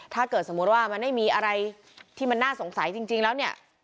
ถ้าเกิดสมมุติว่ามันไม่มีอะไรที่มันน่าสงสัยจริงแล้วเนี่ย